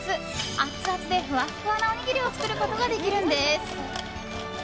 アツアツでふわっふわなおにぎりを作ることができるんです。